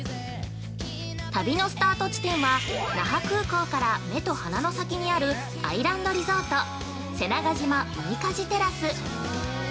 ◆旅のスタート地点は、那覇空港から目と鼻の先にあるアイランドリゾート、瀬長島ウミカジテラス。